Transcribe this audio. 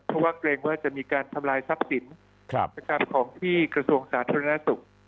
เพราะว่าเกรงว่าจะมีการทำลายทรัพย์สินของที่กระทรวงสาธารณสุข